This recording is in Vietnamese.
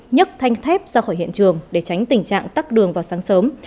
nhác thanh thép ra khỏi hiện trường để tránh tình trạng tắt đường vào sáng sớm